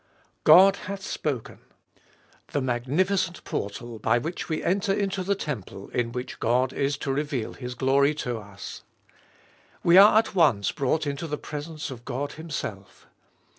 God hath spoken! The magnificent portal by which we enter into the temple in which God is to reveal His glory to us ! We are at once brought into the presence of God Himself.